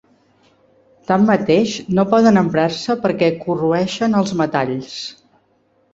Tanmateix no poden emprar-se perquè corroeixen els metalls.